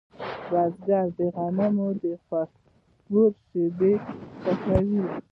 بزګر د غنمو خوشبو خوښوي